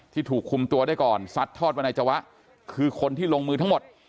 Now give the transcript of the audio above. ถูกคุมตัวได้ก่อนซัดทอดว่านายจวะคือคนที่ลงมือทั้งหมด